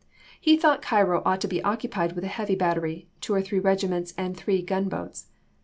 He thought Cairo ought to be occupied with a heavy battery, two or three regiments, and three gun boats.